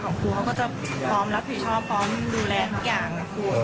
ครูเขาก็จะพร้อมรับผิดชอบพร้อมดูแลทุกอย่างนะครู